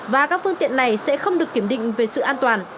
và các phương tiện này sẽ không được kiểm định về sự an toàn